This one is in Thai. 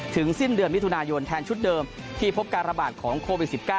สิ้นเดือนมิถุนายนแทนชุดเดิมที่พบการระบาดของโควิด๑๙